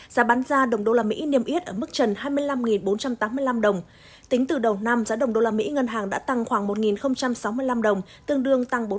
giá bán ra đồng đô la mỹ niêm yết ở mức trần hai mươi năm bốn trăm tám mươi năm đồng tính từ đầu năm giá đồng đô la mỹ ngân hàng đã tăng khoảng một sáu mươi năm đồng tương đương tăng bốn